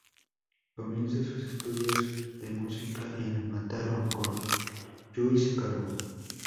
Comienza sus estudios de música en Mataró, con Lluís Carbó.